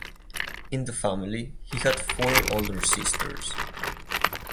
In the family he had four older sisters.